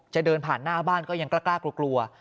จะเดินผ่านหน้าบ้านก็ยังกล้ากล้ากลัวกลัว